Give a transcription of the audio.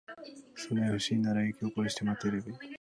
そんなに欲しいんなら、息を殺して待ってればいい。